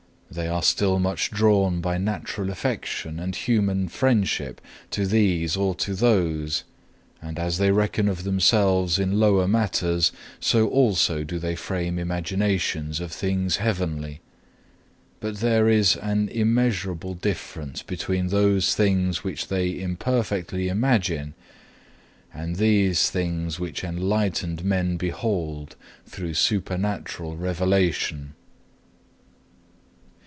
They are still much drawn by natural affection and human friendship to these or to those: and as they reckon of themselves in lower matters, so also do they frame imaginations of things heavenly. But there is an immeasurable difference between those things which they imperfectly imagine, and these things which enlightened men behold through supernatural revelation.